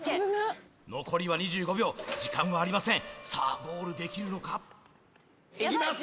残りは２５秒時間はありませんさあゴールできるのかいきます